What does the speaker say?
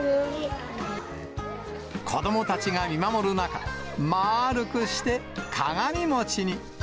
子どもたちが見守る中、まーるくして、鏡餅に。